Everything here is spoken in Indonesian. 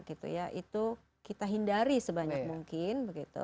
itu kita hindari sebanyak mungkin